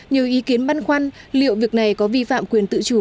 nhiều ý kiến băn khoăn liệu việc này có vi phạm quyền tự chủ